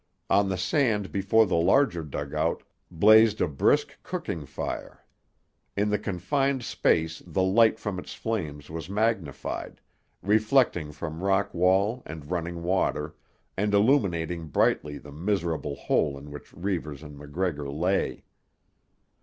On the sand before the larger dugout blazed a brisk cooking fire. In the confined space the light from its flames was magnified, reflecting from rock wall and running water, and illuminating brightly the miserable hole in which Reivers and MacGregor lay.